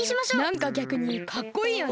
なんかぎゃくにかっこいいよね。